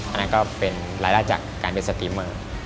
อันนั้นก็เป็นรายได้จากการเป็นสตรีเมือง